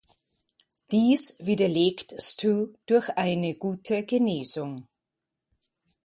Dies widerlegt Stu durch eine gute Genesung.